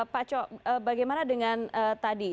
pak co bagaimana dengan tadi